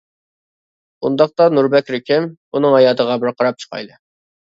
ئۇنداقتا نۇر بەكرى كىم؟ ئۇنىڭ ھاياتىغا بىر قاراپ چىقايلى!